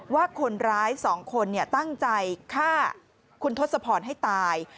ว่าคนร้าย๒คนตั้งใจฆ่าคุณทศพรให้ตาย